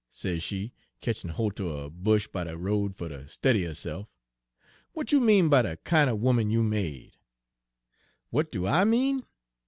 sez she, ketchin' holt er a bush by de road fer ter stiddy herse'f. 'W'at you mean by de kin' er 'oman you made?' " 'W'at do I mean?